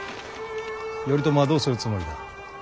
頼朝はどうするつもりだ。